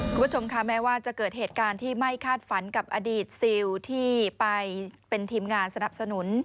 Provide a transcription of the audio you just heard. คุณผู้ชมค่ะแม้ว่าจะเกิดเหตุการณ์ที่ไม่คาดฝันกับอดีตซิลที่ไปเป็นทีมงานสนับสนุน